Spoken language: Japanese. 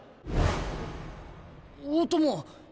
大友。